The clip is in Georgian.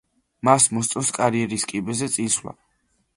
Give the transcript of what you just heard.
მას მოსწონს კარიერის კიბეზე წინსვლა.